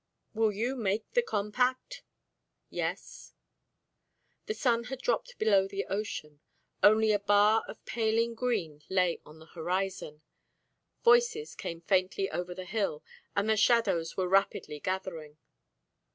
Will you make the compact?" "Yes." The sun had dropped below the ocean; only a bar of paling green lay on the horizon. Voices came faintly over the hill, and the shadows were rapidly gathering.